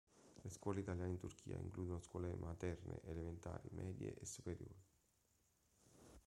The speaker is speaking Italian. Le scuole italiane in Turchia includono scuole materne, elementari, medie e superiori.